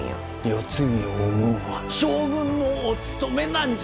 世継ぎを生むんは将軍のおつとめなんじゃ。